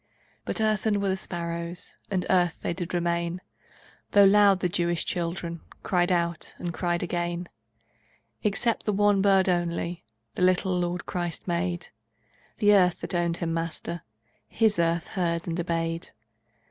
But earthen were the sparrows, And earth they did remain, Though loud the Jewish children Cried out, and cried again. Except the one bird only The little Lord Christ made; The earth that owned Him Master, His earth heard and obeyed.